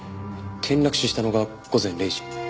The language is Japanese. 転落死したのが午前０時。